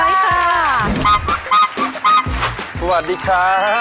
สวัสดีครับ